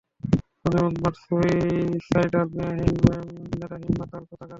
খুনে, উন্মাদ, সুইসাইডাল, মেধাহীন মাতাল কোথাকারে!